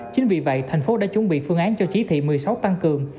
chính vì vậy thành phố đã chuẩn bị phương án cho chỉ thị một mươi sáu tăng cường